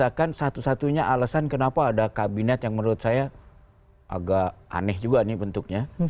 bahkan satu satunya alasan kenapa ada kabinet yang menurut saya agak aneh juga bentuknya